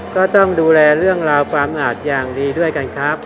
ก็ต้องดูแลเรื่องราวความอาจอย่างดีด้วยกันครับ